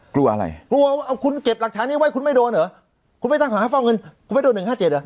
กลัวอะไรกลัวเอาคุณเก็บหลักฐานนี้ไว้คุณไม่โดนเหรอคุณไม่ตั้งข้อหาฟอกเงินคุณไม่โดนหนึ่งห้าเจ็ดอ่ะ